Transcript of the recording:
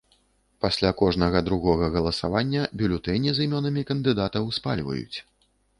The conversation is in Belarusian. Пасля кожнага другога галасавання бюлетэні з імёнамі кандыдатаў спальваюць.